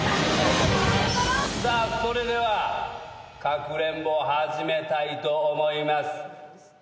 さあそれではかくれんぼ始めたいと思います。